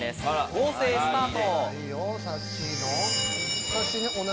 合成スタート。